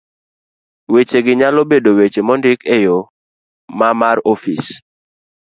Wechegi nyalo bedo weche mondik e yo ma mar ofis